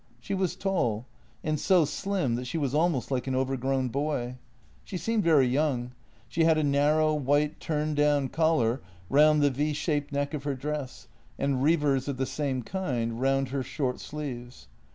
She was tall, and so slim that she was almost like an overgrown boy. She seemed very young. She had a narrow, white turned down collar round the V shaped neck of her dress and revers of the same kind round her short sleeves.